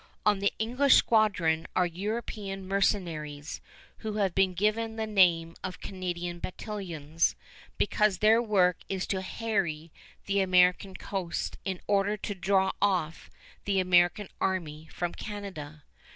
On the English squadron are European mercenaries who have been given the name of Canadian battalions, because their work is to harry the American coast in order to draw off the American army from Canada.